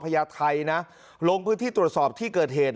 พญาไทยนะลงพื้นที่ตรวจสอบที่เกิดเหตุ